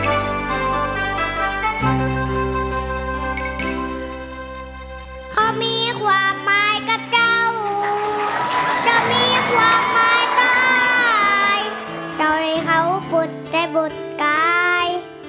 เอ้อเขามีความหมายกับเจ้าจะมีความหลายตายเจ้าได้เข้าบุจช์จะบุดกาย